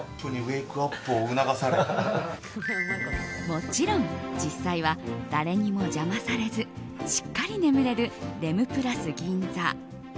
もちろん実際は誰にも邪魔されずしっかり眠れるレムプラス銀座。